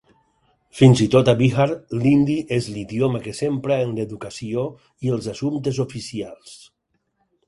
Fins i tot a Bihar, l'hindi és l'idioma que s'empra en l'educació i els assumptes oficials.